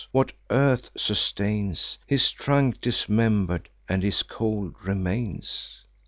what earth sustains His trunk dismember'd, and his cold remains?